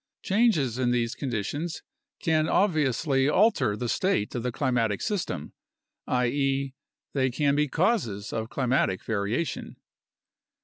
Changes in these conditions can obviously alter the state of the climatic system, i.e., they can be causes of climatic variation.